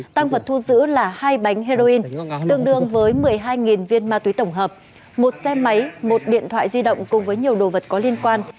tăng vật thu giữ là hai bánh heroin tương đương với một mươi hai viên ma túy tổng hợp một xe máy một điện thoại di động cùng với nhiều đồ vật có liên quan